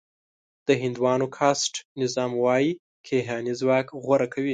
د هندوانو کاسټ نظام وايي کیهاني ځواک غوره کوي.